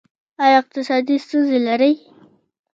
ایا اقتصادي ستونزې لرئ؟